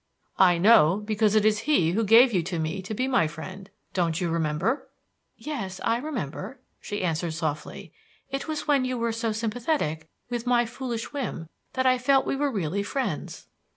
"I know because it is he who gave you to me to be my friend. Don't you remember?" "Yes, I remember," she answered softly. "It was when you were so sympathetic with my foolish whim that I felt we were really friends."